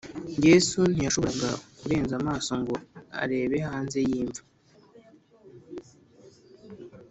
yesu ntiyashoboraga kurenza amaso ngo arebe hanze y’imva